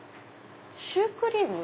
「シュークリーム」？